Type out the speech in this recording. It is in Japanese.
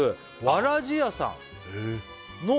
「わらじやさんの」